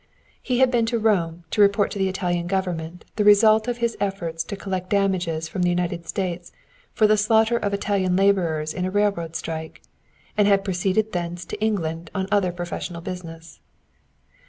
He had been to Rome to report to the Italian government the result of his efforts to collect damages from the United States for the slaughter of Italian laborers in a railroad strike, and had proceeded thence to England on other professional business.